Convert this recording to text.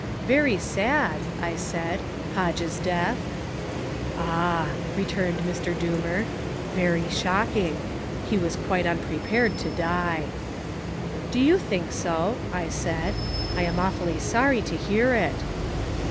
"Very sad," I said, "Podge's death." "Ah," returned Mr. Doomer, "very shocking. He was quite unprepared to die." "Do you think so?" I said, "I'm awfully sorry to hear it."